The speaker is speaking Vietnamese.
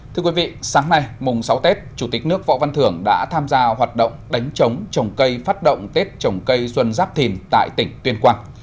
thưa quý vị sáng nay mùng sáu tết chủ tịch nước võ văn thưởng đã tham gia hoạt động đánh chống trồng cây phát động tết trồng cây xuân giáp thìn tại tỉnh tuyên quang